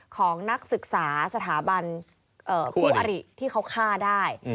ของนักศึกษาสถาบันคู่อริที่เขาฆ่าได้